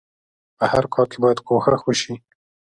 په هر کار کې بايد کوښښ وشئ.